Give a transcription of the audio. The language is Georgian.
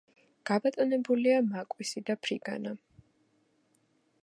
გაბატონებულია მაკვისი და ფრიგანა.